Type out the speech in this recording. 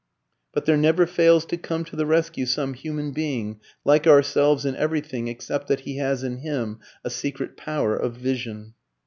But there never fails to come to the rescue some human being, like ourselves in everything except that he has in him a secret power of vision.